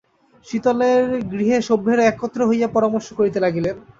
শীতলের গৃহে সভ্যেরা একত্র হইয়া পরামর্শ করিতে লাগিলেন।